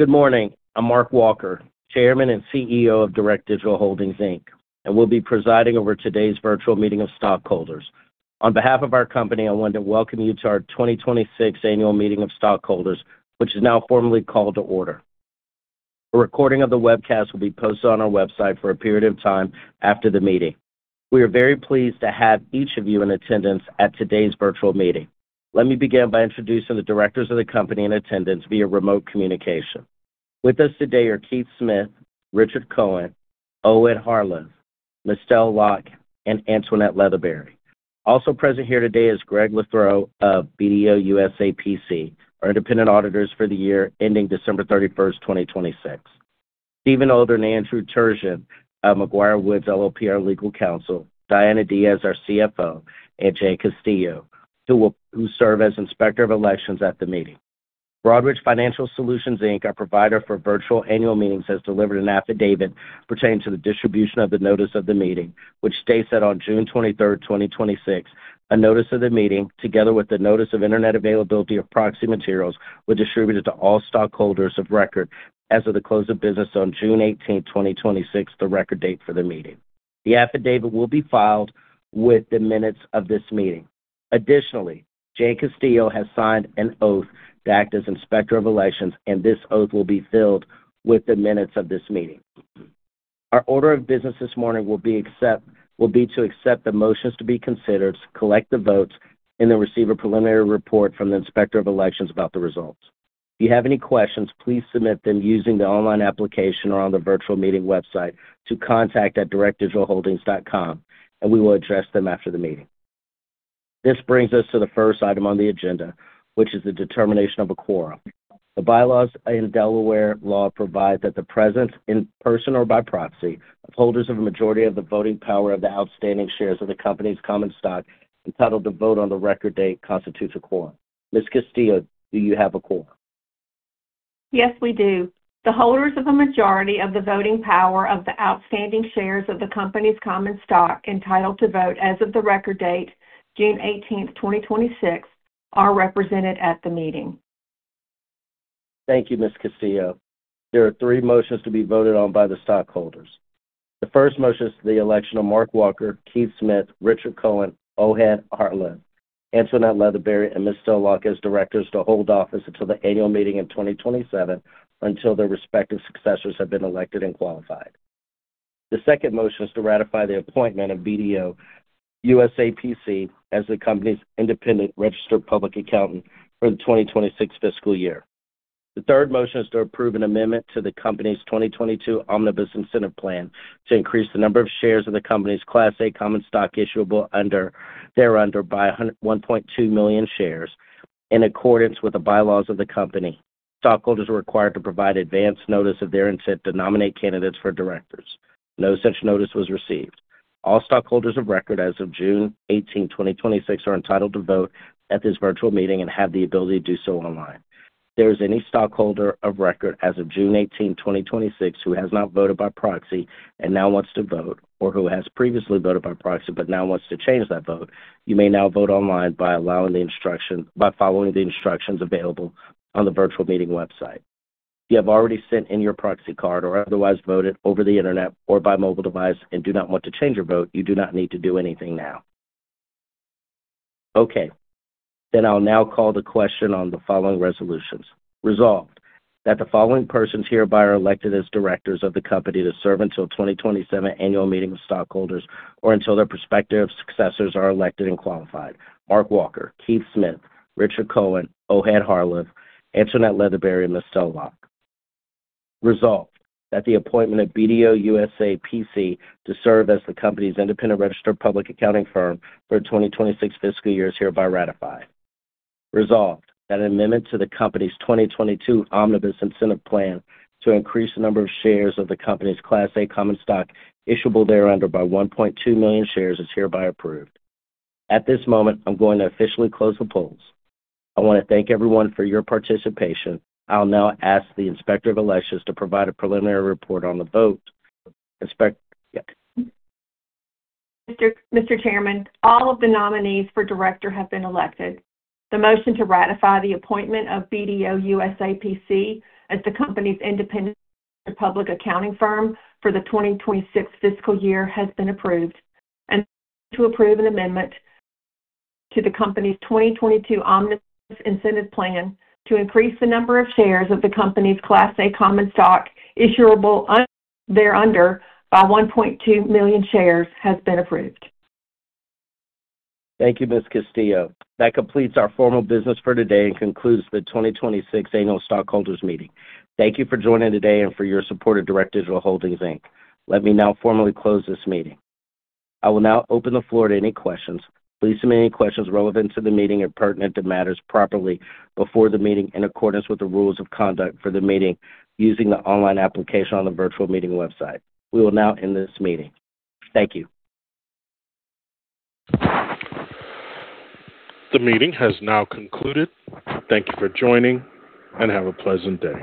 Good morning. I'm Mark Walker, Chairman and Chief Executive Officer of Direct Digital Holdings, Inc., and will be presiding over today's virtual meeting of stockholders. On behalf of our company, I want to welcome you to our 2026 annual meeting of stockholders, which is now formally called to order. A recording of the webcast will be posted on our website for a period of time after the meeting. We are very pleased to have each of you in attendance at today's virtual meeting. Let me begin by introducing the directors of the company in attendance via remote communication. With us today are Keith Smith, Richard Cohen, Ohad Harlev, Misty Locke, and Antoinette Leatherberry. Also present here today is Greg Leuthreau of BDO USA, P.C., our independent auditors for the year ending December 31st, 2026. Steven Adler and Andrew Turgeon of McGuireWoods LLP, our legal counsel, Diana Diaz, our Chief Financial Officer, and Jane Castillo, who serves as Inspector of Elections at the meeting. Broadridge Financial Solutions, Inc., our provider for virtual annual meetings, has delivered an affidavit pertaining to the distribution of the notice of the meeting, which states that on June 23rd, 2026, a notice of the meeting, together with the notice of internet availability of proxy materials, was distributed to all stockholders of record as of the close of business on June 18th, 2026, the record date for the meeting. The affidavit will be filed with the minutes of this meeting. Additionally, Jane Castillo has signed an oath to act as Inspector of Elections, and this oath will be filed with the minutes of this meeting. Our order of business this morning will be to accept the motions to be considered, collect the votes, and then receive a preliminary report from the Inspector of Elections about the results. If you have any questions, please submit them using the online application or on the virtual meeting website to contact@directdigitalholdings.com, and we will address them after the meeting. This brings us to the first item on the agenda, which is the determination of a quorum. The bylaws and Delaware law provide that the presence in person or by proxy of holders of a majority of the voting power of the outstanding shares of the company's common stock entitled to vote on the record date constitutes a quorum. Ms. Castillo, do you have a quorum? Yes, we do. The holders of a majority of the voting power of the outstanding shares of the company's common stock entitled to vote as of the record date, June 18th, 2026, are represented at the meeting. Thank you, Ms. Castillo. There are three motions to be voted on by the stockholders. The first motion is for the election of Mark Walker, Keith Smith, Richard Cohen, Ohad Harlev, Antoinette Leatherberry, and Misty Locke as directors to hold office until the annual meeting in 2027, or until their respective successors have been elected and qualified. The second motion is to ratify the appointment of BDO USA, P.C. as the company's independent registered public accountant for the 2026 fiscal year. The third motion is to approve an amendment to the company's 2022 Omnibus Incentive Plan to increase the number of shares of the company's Class A common stock issuable thereunder by 1.2 million shares in accordance with the bylaws of the company. Stockholders are required to provide advance notice of their intent to nominate candidates for directors. No such notice was received. All stockholders of record as of June 18th, 2026, are entitled to vote at this virtual meeting and have the ability to do so online. If there is any stockholder of record as of June 18th, 2026, who has not voted by proxy and now wants to vote, or who has previously voted by proxy but now wants to change that vote, you may now vote online by following the instructions available on the virtual meeting website. If you have already sent in your proxy card or otherwise voted over the internet or by mobile device and do not want to change your vote, you do not need to do anything now. I'll now call the question on the following resolutions. Resolved, that the following persons hereby are elected as directors of the company to serve until 2027 annual meeting of stockholders or until their prospective successors are elected and qualified: Mark Walker, Keith Smith, Richard Cohen, Ohad Harlev, Antoinette Leatherberry, and Misty Locke. Resolved, that the appointment of BDO USA, P.C. to serve as the company's independent registered public accounting firm for 2026 fiscal year is hereby ratified. Resolved, that an amendment to the company's 2022 Omnibus Incentive Plan to increase the number of shares of the company's Class A common stock issuable thereunder by 1.2 million shares is hereby approved. At this moment, I'm going to officially close the polls. I want to thank everyone for your participation. I'll now ask the Inspector of Elections to provide a preliminary report on the vote. Inspector? Mr. Chairman, all of the nominees for director have been elected. The motion to ratify the appointment of BDO USA, P.C. as the company's independent public accounting firm for the 2026 fiscal year has been approved. To approve an amendment to the company's 2022 Omnibus Incentive Plan to increase the number of shares of the company's Class A common stock issuable thereunder by 1.2 million shares has been approved. Thank you, Ms. Castillo. That completes our formal business for today and concludes the 2026 Annual Stockholders Meeting. Thank you for joining today and for your support of Direct Digital Holdings, Inc. Let me now formally close this meeting. I will now open the floor to any questions. Please submit any questions relevant to the meeting and pertinent to matters properly before the meeting in accordance with the rules of conduct for the meeting using the online application on the virtual meeting website. We will now end this meeting. Thank you. The meeting has now concluded. Thank you for joining, and have a pleasant day.